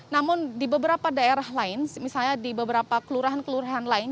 namun di beberapa daerah lain misalnya di beberapa kelurahan kelurahan lain